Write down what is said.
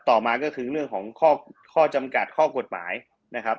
ต่อมาก็คือเรื่องของข้อจำกัดข้อกฎหมายนะครับ